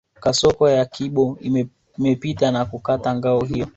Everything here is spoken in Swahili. Kasoko ya Kibo imepita na kukata ngao hiyo